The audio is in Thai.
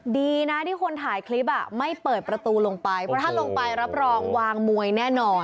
ดีนะที่คนถ่ายคลิปไม่เปิดประตูลงไปเพราะถ้าลงไปรับรองวางมวยแน่นอน